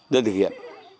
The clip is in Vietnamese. dân thực hiện